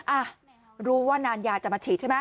อ่ะรู้ว่านานยาจะมาฉีดใช่ไหม